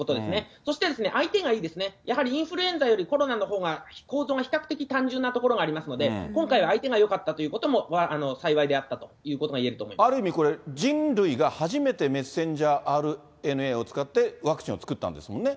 そして、相手がいいですね、やはりインフルエンザよりコロナのほうが、構造が比較的単純なところがありますので、今回、相手がよかったということも幸いであったというある意味これ、人類が初めてｍＲＮＡを使って、ワクチンを作ったんですもんね。